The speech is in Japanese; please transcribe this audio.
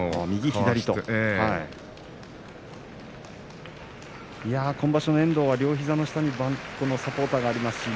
右左と今場所の遠藤は両膝にサポーターがあります。